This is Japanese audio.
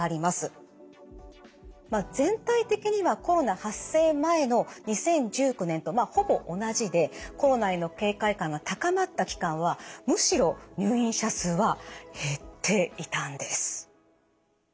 まあ全体的にはコロナ発生前の２０１９年とほぼ同じでコロナへの警戒感が高まった期間はむしろ入院者数は減っていたんです。